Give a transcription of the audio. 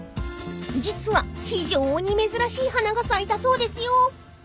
［実は非常に珍しい花が咲いたそうですよ］